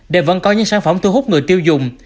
để vẫn có những sản phẩm thu hút người tiêu dùng